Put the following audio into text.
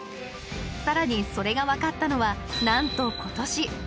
さらに、それが分かったのはなんと今年。